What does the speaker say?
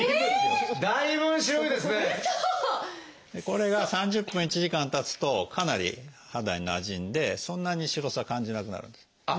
これが３０分１時間たつとかなり肌になじんでそんなに白さを感じなくなるんです。